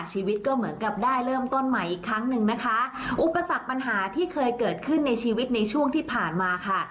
ชีวิตก็เหมือนกับได้เริ่มต้นใหม่อีกครั้งหนึ่งนะคะอุปสรรคปัญหาที่เคยเกิดขึ้นในชีวิตในช่วงที่ผ่านมาค่ะ